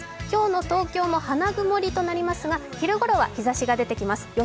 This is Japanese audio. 今日の東京も花曇りとなりますが昼ごろには日ざしが出てきます。